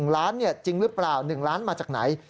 ๑ล้านจริงหรือเปล่า๑ล้านมาจากไหน